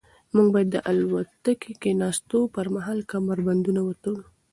موږ باید د الوتکې د کښېناستو پر مهال کمربندونه وتړو.